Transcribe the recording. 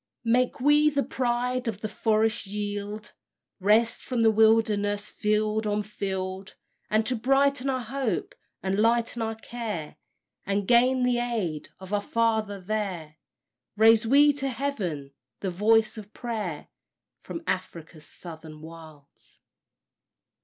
"Make we the pride of the forest yield; Wrest from the wilderness field on field; And to brighten our hope, and lighten our care, And gain the aid of our Father there, Raise we to heaven the voice of prayer From Afric's Southern Wilds."